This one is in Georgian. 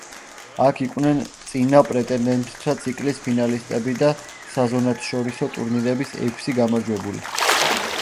აქ იყვნენ წინა პრეტენდენტთა ციკლის ფინალისტები და საზონათშორისო ტურნირების ექვსი გამარჯვებული.